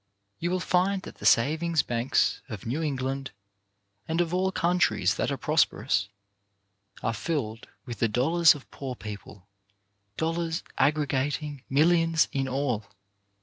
You will find that the savings banks of New England, and of all countries that are prosperous, are filled with the dollars of poor people, dollars aggregat ing millions in all.